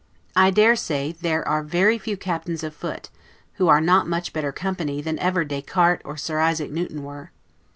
I dare say, there are very few captains of foot, who are not much better company than ever Descartes or Sir Isaac Newton were.